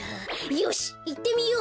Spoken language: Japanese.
よしいってみよう！